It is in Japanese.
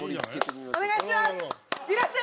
お願いします！